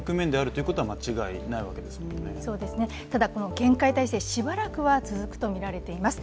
そうですね、ただ厳戒態勢、しばらくは続くとみられています。